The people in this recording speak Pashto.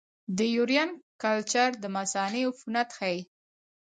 د یورین کلچر د مثانې عفونت ښيي.